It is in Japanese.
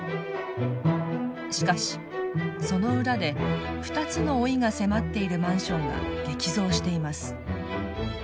しかしその裏で２つの“老い”が迫っているマンションが激増しています。